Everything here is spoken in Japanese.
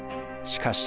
しかし。